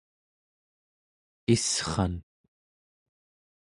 issran